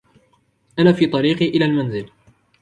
أنا في طريقي إلی المنزل